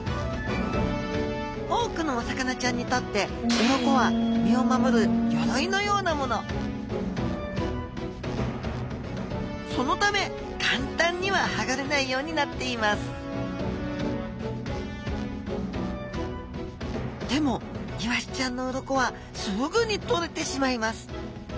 多くのお魚ちゃんにとって鱗は身を守る鎧のようなものそのため簡単にははがれないようになっていますでもイワシちゃんの鱗はすぐにとれてしまいます。